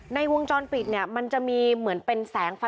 ในวงจรปิดเนี่ยมันจะมีเหมือนเป็นแสงไฟ